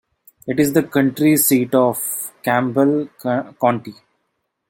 It is the county seat of Campbell County.